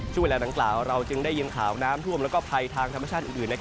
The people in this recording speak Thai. ช่วงเวลาดังกล่าวเราจึงได้ยินข่าวน้ำท่วมและภัยทางธรรมชาติอื่น